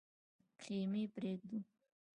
خېمې پرېږدو.